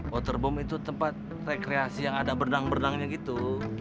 waterbom itu tempat rekreasi yang ada berdang berdangnya gitu